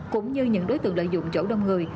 cũng như những đối tượng lợi dụng chỗ đông người